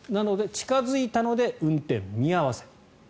近付いたので運転見合わせ。